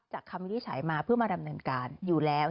จากคำวิทย์ใช้มาเพื่อมาดำเนินการอยู่แล้ว